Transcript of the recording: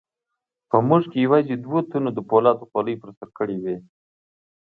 په موږ کې یوازې دوو تنو د فولادو خولۍ په سر کړې وې.